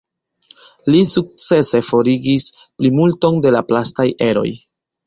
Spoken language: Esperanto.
Li sukcese forigis plimulton de la plastaj eroj.